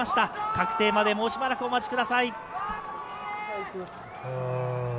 確定まで、もうしばらくお待ちください。